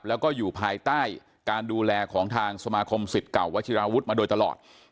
แล้วก็อยู่ภายใต้การดูแลของทางสมาคมสิทธิ์เก่าวัชิราวุฒิมาโดยตลอด